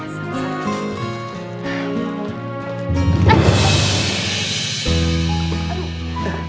makasih ya sutan